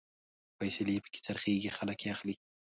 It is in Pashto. فیصلې پکې خرڅېږي، خلک يې اخلي